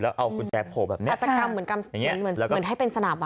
แล้วเอากุญแจโผล่แบบนี้อาจจะกำเหมือนให้เป็นสนับ